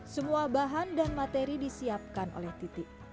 semua bahan dan materi disiapkan oleh titi